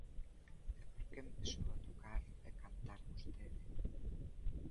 E por que empezou a tocar e cantar vostede?